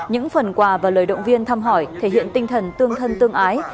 những phần quà và lời động viên thăm hỏi thể hiện tinh thần tương thân tương ái